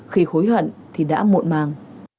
khi hối hận thì đã muộn màng